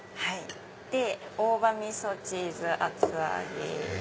で大葉味噌チーズ厚揚げ。